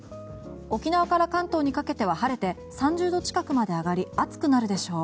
沖縄から関東にかけては晴れて３０度近くまで上がり暑くなるでしょう。